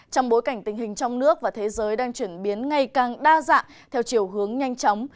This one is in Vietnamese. trong bối cảnh tình hình trong nước và thế giới đang chuyển biến ngày càng đa dạng theo chiều hướng nhanh chóng